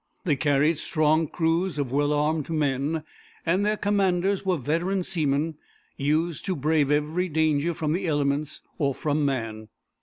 They carried strong crews of well armed men, and their commanders were veteran seamen, used to brave every danger from the elements or from man.